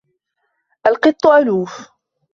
الْقِطُّ أَلُوفٌ.